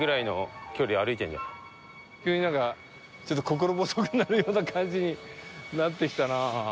急になんかちょっと心細くなるような感じになってきたな。